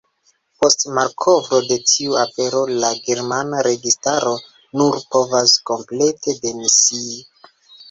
Post malkovro de tiu afero, la germana registaro nur povas komplete demisii.